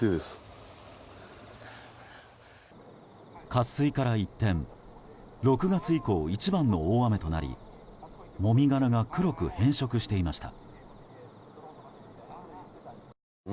渇水から一転６月以降一番の大雨となりもみ殻が黒く変色していました。